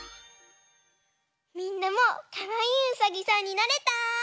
みんなもかわいいうさぎさんになれた？